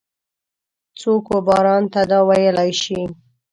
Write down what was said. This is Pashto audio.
څوک وباران ته دا ویلای شي؟